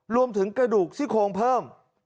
รวมถึงกระดูกซี่โครงเพิ่ม